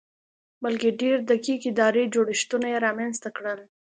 بلکې ډېر دقیق اداري جوړښتونه یې رامنځته کړل